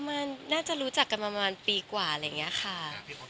ไม่ได้โฟนว่าคุณแม่อาจจะต้องคุมอยู่ตรงนี้แหละ